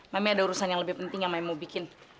memang ada urusan yang lebih penting yang maya mau bikin